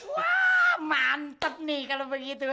wah mantep nih kalau begitu